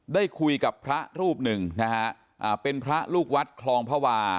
ได้คุยกับพระรูปหนึ่งนะฮะเป็นพระลูกวัดคลองพระวา